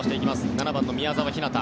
７番の宮澤ひなた